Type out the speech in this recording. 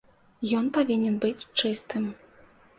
Ён павінен быць чыстым.